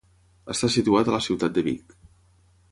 Està situat a la ciutat de Vic.